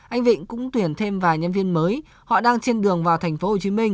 anh vịnh cũng tuyển thêm vài nhân viên mới họ đang trên đường vào tp hcm